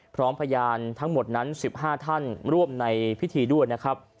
พร้อมพยานทั้งหมดนั้น๑๕ท่านร่วมในพิธีด้วยนะครับ